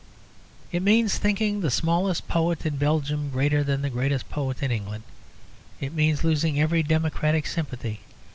It means thinking the smallest poet in Belgium greater than the greatest poet of England. It means losing every democratic sympathy.